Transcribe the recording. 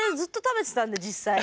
実際。